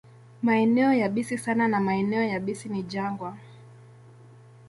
Maeneo yabisi sana na maeneo yabisi ni jangwa.